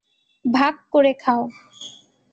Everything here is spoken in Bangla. ভাগ করে খাও।